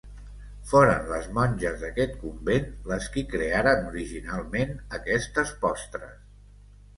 Foren les monges d'aquest convent les qui crearen originalment aquestes postres.